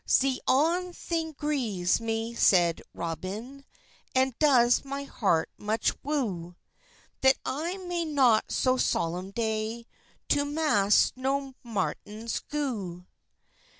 "Ze on thynge greves me," seid Robyne, "And does my hert mych woo, That I may not so solem day To mas nor matyns goo.